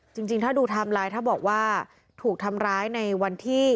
จริงถ้าดูไทม์ไลน์ถ้าบอกว่าถูกทำร้ายในวันที่